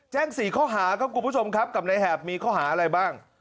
แจ้งสี่ข้อหากับกลุ่มผู้ชมครับกับในแหบมีข้อหาอะไรบ้าง